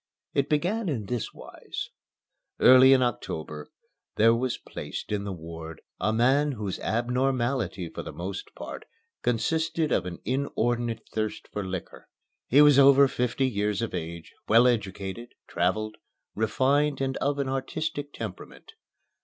It began in this wise: Early in October there was placed in the ward a man whose abnormality for the most part consisted of an inordinate thirst for liquor. He was over fifty years of age, well educated, traveled, refined and of an artistic temperament.